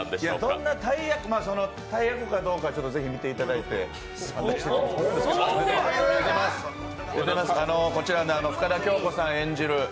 どんな大役大役かどうかは見ていただきたいんですがこちら、深田恭子さん演じる